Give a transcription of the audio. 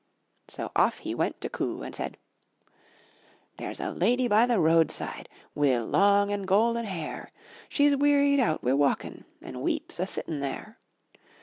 '' So off he went to COO and said: 'There's a lady by the roadside, Wi' long and golden hair; She's wearied out wi' walkin' And weeps a sitting there.